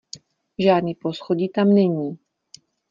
Žádný poschodí tam není.